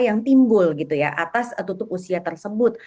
yang timbul gitu ya atas tutup usia tersebut